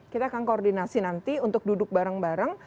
kita akan koordinasi nanti untuk duduk bareng bareng